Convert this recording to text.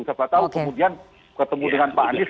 siapa tahu kemudian ketemu dengan pak anies